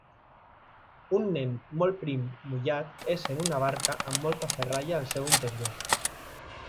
Un nen molt prim mullat és en una barca amb molta ferralla al seu interior.